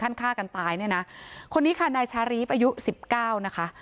ฆ่ากันตายเนี่ยนะคนนี้ค่ะนายชารีฟอายุสิบเก้านะคะ